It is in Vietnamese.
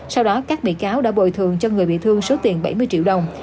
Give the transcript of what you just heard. sau đó các bị cáo đã bồi thường cho người bị thương số tiền bảy mươi triệu đồng